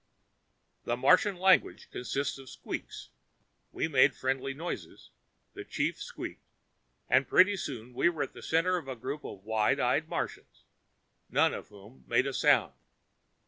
The Martian language consisted of squeaks. We made friendly noises, the chief squeaked and pretty soon we were the center of a group of wide eyed Martians, none of whom made a sound.